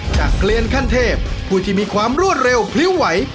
เกลียนขั้นเทพผู้ที่มีความรวดเร็วพริ้วไหว